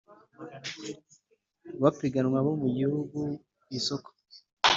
Bapiganwa bo mu gihugu ku isoko